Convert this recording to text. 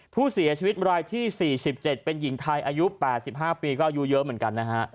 ผู้เสียชีวิตรายที่๔๗เป็นหญิงไทยอายุ๘๕ปีก็อายุเยอะเหมือนกันนะฮะ